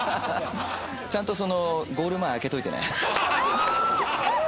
ちゃんとゴール前空けといてね。